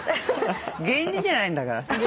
芸人じゃないんだから。